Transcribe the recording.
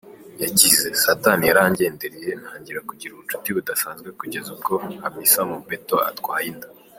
Yagize "Satani yarangendereye ntangira kugira ubucuti budasanzwe kugeza ubwo Hamisa Mobetto atwaye inda.